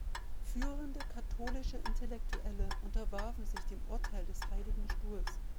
Führende katholische Intellektuelle unterwarfen sich dem Urteil des Heiligen Stuhls.